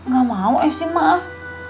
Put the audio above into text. gak mau esi maaf